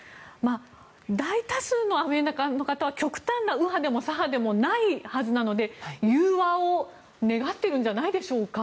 大多数のアメリカの方は極端な右派でも左派でもないはずなので融和を願っているんじゃないでしょうか。